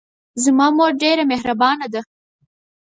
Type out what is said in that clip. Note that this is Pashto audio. زما مور ډېره محربانه ده